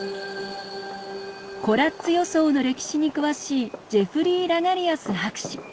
コラッツ予想の歴史に詳しいジェフリー・ラガリアス博士。